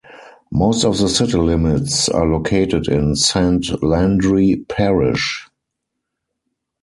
Most of the city limits are located in Saint Landry parish.